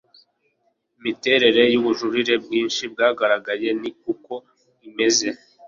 imiterere y'ubujurire bwinshi bwagaragaye ni uko imeze